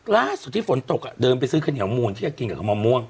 ล่าสุดที่ฝนตกอ่ะเดินไปซื้อคันเหนียวมูลที่อยากกินกับขมม่อมม่วง